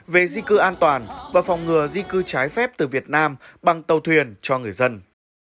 về di cư an toàn và phòng ngừa di cư trái phép từ việt nam bằng tàu thuyền cho người dân